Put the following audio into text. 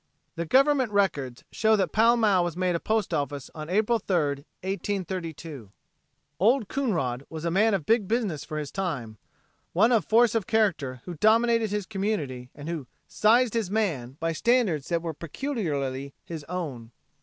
The government records show that Pall Mall was made a post office on April 3, 1832. Old Coonrod was a man of Big Business for his time; one of force of character who dominated his community and who "sized his man" by standards that were peculiarly his own.